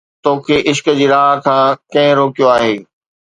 تو کي عشق جي راهه کان ڪنهن روڪيو آهي؟